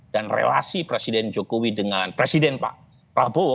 dan relasi presiden jokowi dengan presiden pak prabowo